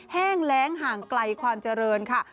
แห้งแรงห่างไกลความเจริญค่ะ